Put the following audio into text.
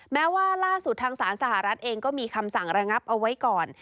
แม้ว่าล่าสุดทางศาลสหรัฐเองก็มีคำสั่งระงับเอาไว้ก่อน